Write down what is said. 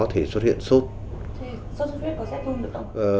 thì sốt huyết có rét ru được không